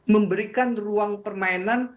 memberikan ruang permainan